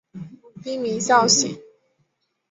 滨名孝行。